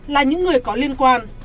là những người có liên quan